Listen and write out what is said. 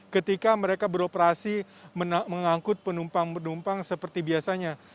ketika mereka beroperasi mengangkut penumpang penumpang seperti biasanya